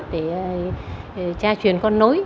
để tra truyền con nối